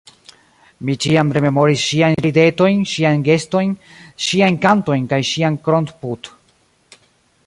Mi ĉiam rememoris ŝiajn ridetojn, ŝiajn gestojn, ŝiajn kantojn kaj ŝian kron-put.